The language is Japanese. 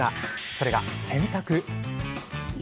それが洗濯。